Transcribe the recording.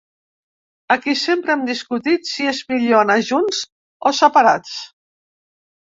Aquí sempre hem discutit si és millor anar junts o separats.